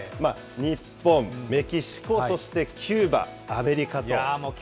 日本、メキシコ、そしてキューバ、アメリカと。